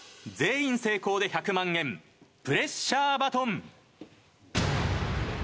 全員成功で１００万円プレッシャーバトン。